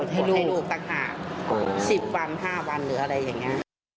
สิบวันห้าวันหรืออะไรอย่างนี้